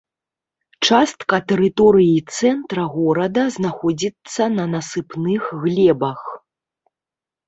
Частка тэрыторыі цэнтра горада знаходзіцца на насыпных глебах.